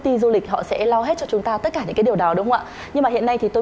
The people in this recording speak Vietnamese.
đi du lịch họ sẽ lo hết cho chúng ta tất cả những cái điều đó đúng không ạ nhưng mà hiện nay thì tôi